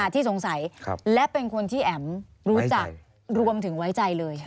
ที่สงสัยและเป็นคนที่แอ๋มรู้จักรวมถึงไว้ใจเลย